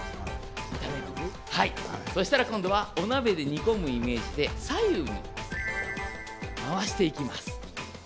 そうしたら今度はお鍋で煮込むイメージで左右に回していきます。